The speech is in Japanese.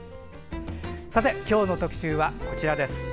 さて、今日の特集はこちらです。